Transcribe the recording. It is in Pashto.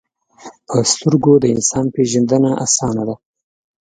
په سترګو د انسان پیژندنه آسانه ده